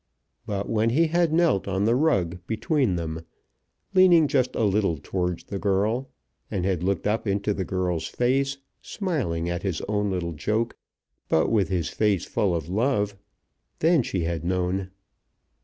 But when he had knelt on the rug between them, leaning just a little towards the girl, and had looked up into the girl's face, smiling at his own little joke, but with his face full of love; then she had known.